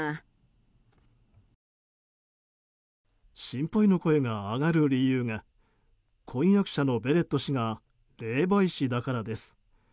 心配の声が上がる理由が婚約者のベレット氏が霊媒師だからです。